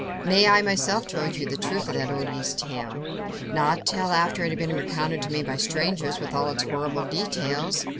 "Nay! I myself told you the truth of that odious tale." "Not till after it had been recounted to me by strangers, with all its horrible details."